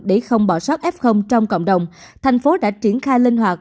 để không bỏ sót f trong cộng đồng thành phố đã triển khai linh hoạt